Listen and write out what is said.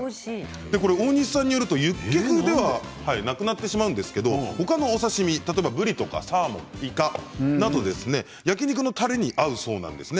大西さんによるとユッケ風ではなくなってしまうんですが他の刺身ぶりやサーモンいかなども焼き肉のたれが合うそうなんです。